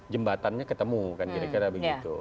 jembatannya ketemu kan kira kira begitu